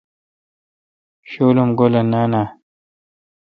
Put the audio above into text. شُول ام گولے نان آ؟